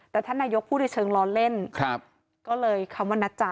แต่ท่านนายกพูดในเชิงล้อเล่นก็เลยคำว่านะจ๊ะ